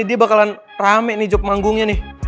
dia bakalan rame nih jok manggungnya nih